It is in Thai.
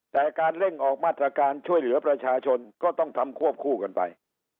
แต่การเร่งออกมาตรการช่วยเหลือประชาชนก็ต้องทำควบคู่กันไป